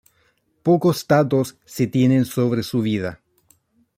Pocos datos se tienen sobre su vida.